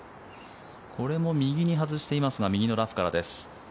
これも右に外していますが右のラフからです。